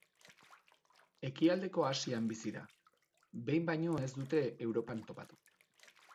Ekialdeko Asian bizi da, behin baino ez dute Europan topatu.